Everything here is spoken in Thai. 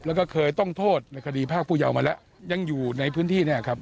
แล้วก็เคยต้องโทษในคดีภาคผู้ยาวมาแล้วยังอยู่ในพื้นที่เนี่ยครับ